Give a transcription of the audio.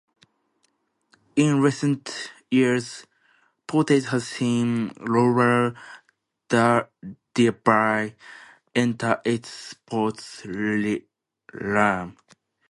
In recent years Portage has seen Roller Derby enter it's sports realm.